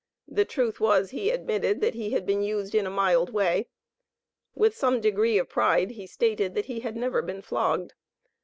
The truth was, he admitted, that he had been used in a "mild way." With some degree of pride, he stated that he "had never been flogged."